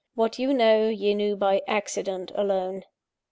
What you know, you knew by accident alone.